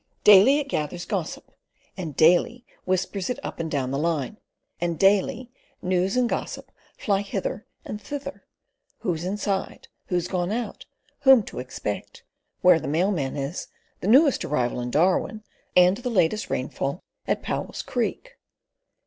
Daily it gathers gossip, and daily whispers it up and down the line, and daily news and gossip fly hither and thither: who's "inside," who has gone out, whom to expect, where the mailman is, the newest arrival in Darwin and the latest rainfall at Powell's Creek.